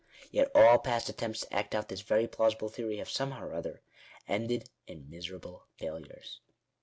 Yet all past attempts to act out this very plausible theory have, somehow or other, ended in miserable failures.